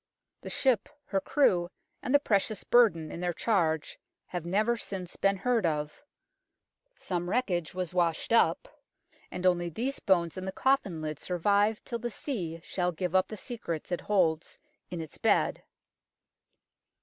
The ship, her crew, and the precious burden in their charge have never since been heard of (some wreckage was washed up) and only these bones and the coffin lid survive till the sea shall give up the secrets it holds in its bed.